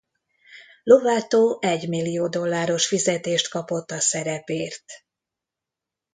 Lovato egymillió dolláros fizetést kapott a szerepért.